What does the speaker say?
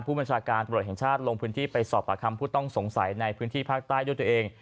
ผู้บัญชาการตรวจแห่งชาติลงพื้นที่ไปสอบประคำผู้ต้องสงสัยในพื้นที่ภาคใต้ด้วยตัวเอง